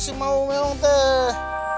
si mau meong teh